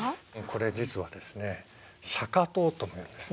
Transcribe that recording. これ実はですねシャカトウともいうんですね。